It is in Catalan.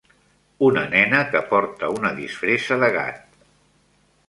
una nena que porta una disfressa de gat.